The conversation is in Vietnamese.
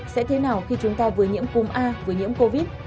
sẽ thế nào khi chúng ta vừa nhiễm cúm a vừa nhiễm covid